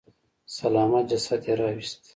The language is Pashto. سلامت جسد يې راويست.